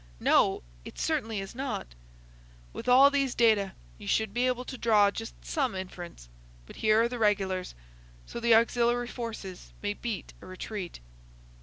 "No, it certainly is not." "With all these data you should be able to draw some just inference. But here are the regulars; so the auxiliary forces may beat a retreat."